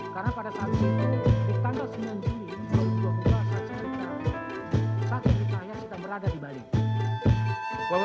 karena pada saat itu di tanggal sembilan juli tahun dua puluh dua saksi arisaya